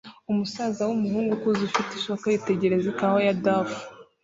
umusaza wumuzungu ukuze ufite ishoka yitegereza ikawa ya daffy